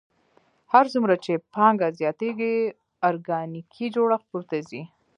هر څومره چې پانګه زیاتېږي ارګانیکي جوړښت پورته ځي